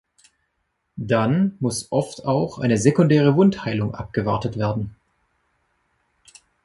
Dann muss oft auch eine sekundäre Wundheilung abgewartet werden.